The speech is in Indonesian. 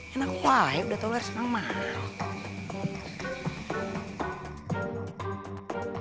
enak woy udah tolernya senang banget